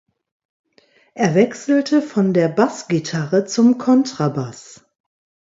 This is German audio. Er wechselte von der Bassgitarre zum Kontrabass.